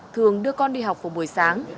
thường đưa con đi học vào buổi sáng